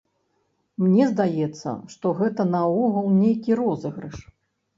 Мне здаецца, што гэта наогул нейкі розыгрыш!